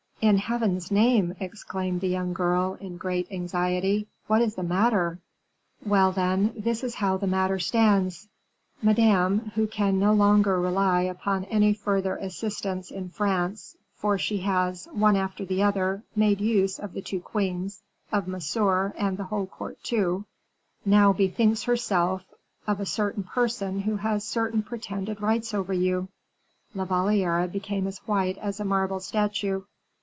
"In Heaven's name," exclaimed the young girl, in great anxiety, "what is the matter?" "Well, then, this is how the matter stands: Madame, who can no longer rely upon any further assistance in France; for she has, one after the other, made use of the two queens, of Monsieur, and the whole court, too, now bethinks herself of a certain person who has certain pretended rights over you." La Valliere became as white as a marble statue.